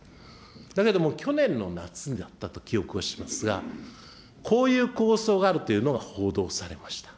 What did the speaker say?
だけども、去年の夏であったと記憶しますが、こういう構想があるというのが報道されました。